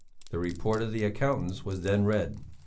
The report of the accountants was then read.